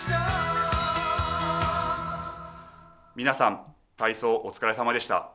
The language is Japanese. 皆さん、体操お疲れさまでした。